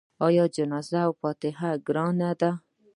آیا جنازې او فاتحې ګرانې دي؟